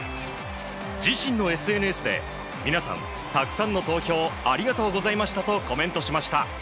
自身のＳＮＳで皆さん、たくさんの投票ありがとうございましたとコメントしました。